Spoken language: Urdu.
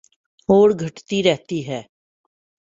اور گھٹتی رہتی ہے